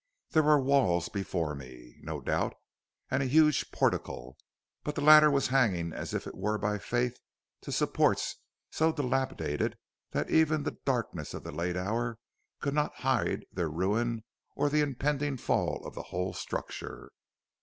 There were walls before me, no doubt, and a huge portico, but the latter was hanging as it were by faith to supports so dilapidated that even the darkness of that late hour could not hide their ruin or the impending fall of the whole structure.